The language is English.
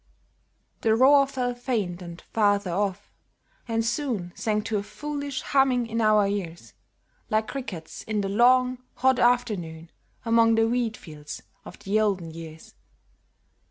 The roar fell faint and farther off, and soon Sank to a foolish humming in our ears, Like crickets in the long, hot afternoon Among the wheat fields of the olden years.